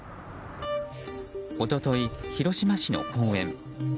一昨日、広島市の公園。